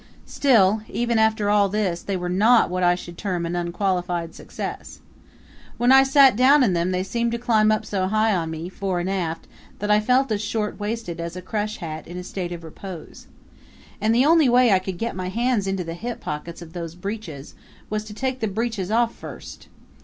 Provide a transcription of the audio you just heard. Still, even after all this, they were not what I should term an unqualified success. When I sat down in them they seemed to climb up on me so high, fore and aft, that I felt as short waisted as a crush hat in a state of repose. And the only way I could get my hands into the hip pockets of those breeches was to take the breeches off first.